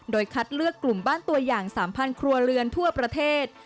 โดยคัดเลือกกลุ่มบ้านตัวอย่าง๓๐๐ครัวเรือนทั่วประเทศ